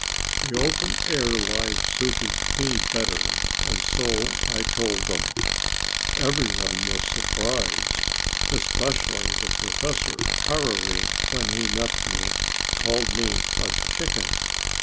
The open air life suited me better, and so I told them. Every one was surprised, especially the professor. Carrory, when he met me, called me a "chicken."